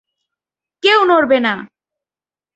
কেউ নড়বে না!